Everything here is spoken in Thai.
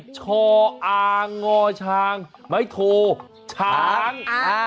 ช่ออางงอชางไมโทขาง